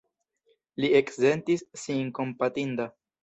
Li eksentis sin kompatinda.